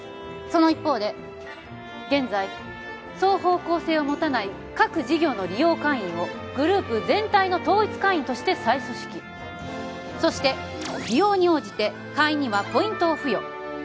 その一方で現在双方向性を持たない各事業の利用会員をグループ全体の統一会員として再組織そして利用に応じて会員にはポイントを付与